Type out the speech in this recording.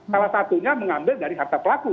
salah satunya mengambil dari harta pelaku